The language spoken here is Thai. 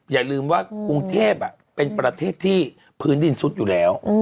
อย่าลืมว่ากรุงเทพเป็นประเทศที่พื้นดินซุดอยู่แล้ว